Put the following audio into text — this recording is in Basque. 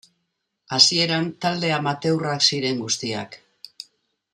Hasieran talde amateurrak ziren guztiak.